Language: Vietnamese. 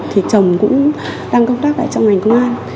thì chồng cũng đang công tác lại trong ngành công an